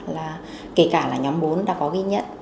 là kể cả là nhóm bốn đã có ghi nhận